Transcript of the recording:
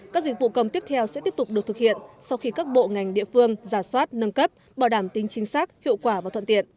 các dịch vụ công tiếp theo sẽ tiếp tục được thực hiện sau khi các bộ ngành địa phương giả soát nâng cấp bảo đảm tính chính xác hiệu quả và thuận tiện